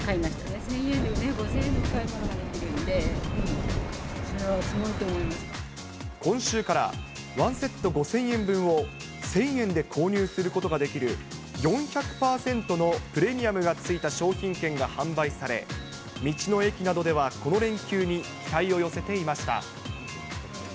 １０００円で５０００円分のお買い物ができるんで、今週から、１セット５０００円分を１０００円で購入することができる、４００％のプレミアムが付いた商品券が販売され、道の駅などでは、この連休に期待を寄せていました。